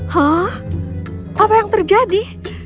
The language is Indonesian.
huh apa yang terjadi